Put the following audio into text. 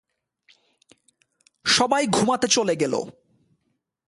সবাই ঘুমাতে চলে গেলো।